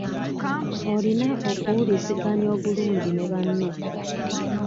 Olina okuwuliziganya obulungi ne banno.